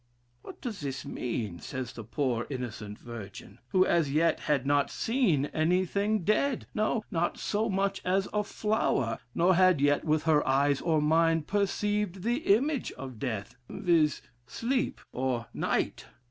what does that mean, says the poor, innocent virgin, who as yet had not seen anything dead, no, not so much as a flower; nor had yet with her eyes or mind perceived the image of death viz., sleep, or night?